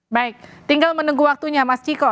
baik tinggal menunggu waktunya mas ciko